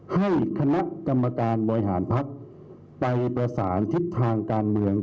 ให้คณะกรรมการบริหารภักดิ์ไปประสานทิศทางการเมือง